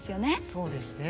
そうですね。